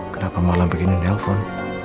kenapa malam begini nelfon